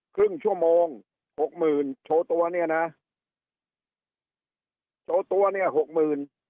ครึ่งชั่วโมงหกหมื่นโชว์ตัวเนี่ยนะโชว์ตัวเนี่ยหกหมื่น